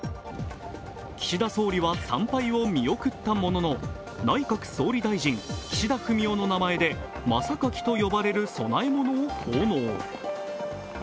岸田総理は参拝を見送ったものの、内閣総理大臣・岸田文雄の名前でまさかきと呼ばれる供え物を奉納。